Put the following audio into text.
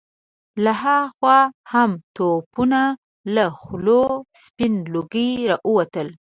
له هاخوا هم د توپونو له خولو سپين لوګي را ووتل.